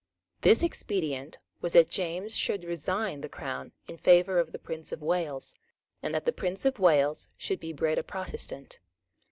This expedient was that James should resign the Crown in favour of the Prince of Wales, and that the Prince of Wales should be bred a Protestant.